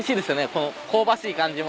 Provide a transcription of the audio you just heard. この香ばしい感じも。